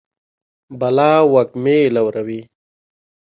بلا وږمې لوروي